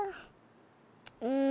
うん。